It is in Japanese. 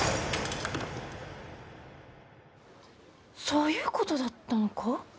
そういうことだったのか。